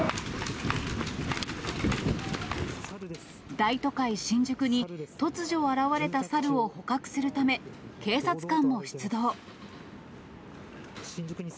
大都会新宿に突如現れた猿を捕獲するため、警察官も出動。